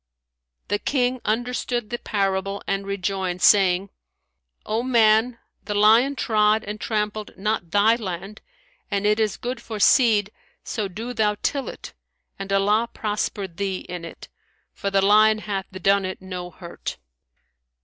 The King understood the parable and rejoined, saying, "O man, the lion trod and trampled not thy land, and it is good for seed so do thou till it and Allah prosper thee in it, for the lion hath done it no hurt."